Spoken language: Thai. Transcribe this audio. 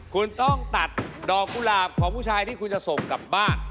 คุณต้องตัดดอกกุหลาบของผู้ชายที่คุณจะส่งกลับบ้าน